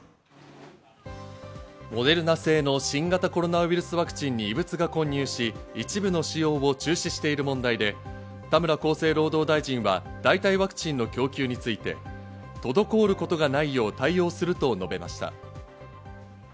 モデルナ製の新型コロナウイルスワクチンに異物が混入し、一部の使用を中止している問題で、田村厚生労働大臣は代替ワクチンの供給について滞ることはないよう対応すると述べました。